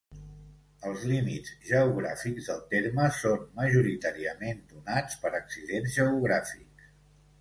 Els límits geogràfics del terme són, majoritàriament, donats per accidents geogràfics.